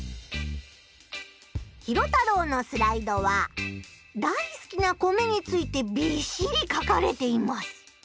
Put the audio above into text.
ヒロタロウのスライドはだいすきな米についてびっしり書かれています！